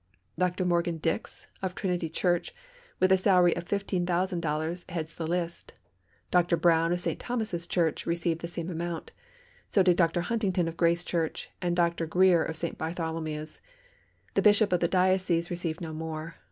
Dr. Morgan Dix, of Trinity Church, with a salary of $15,000, heads the list, Dr. Brown of St. Thomas' Church, received the same amount; so did Dr. Huntington of Grace Church, and Dr. Greer of St. Bartholomew's. The Bishop of the diocese received no more.